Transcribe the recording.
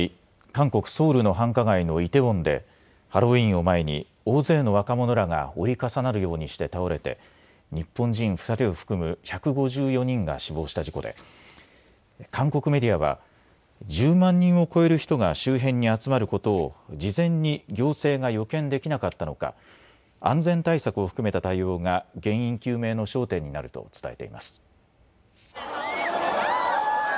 韓国ソウルの繁華街のイテウォンでハロウィーンを前に大勢の若者らが折り重なるようにして倒れて日本人２人を含む１５４人が死亡した事故で韓国メディアは１０万人を超える人が周辺に集まることを事前に行政が予見できなかったのか、安全対策を含めた対応が原因究明の焦点になると伝えています。